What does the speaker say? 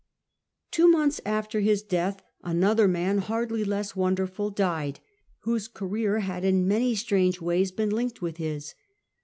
Two months after his death another man, hardly 'less wonderful, died, whose career had in many strange Death of ways been linked with his.